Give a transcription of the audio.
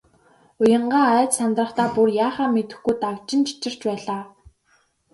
Уянгаа айж сандрахдаа бүр яахаа мэдэхгүй дагжин чичирч байлаа.